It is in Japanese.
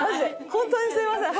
本当にすいません。